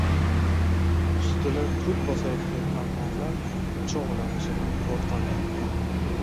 Ustini kul bosayotgan armonlar choʻgʻlanishidan qoʻrqaman.